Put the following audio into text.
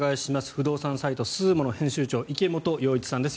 不動産サイトＳＵＵＭＯの編集長池本洋一さんです。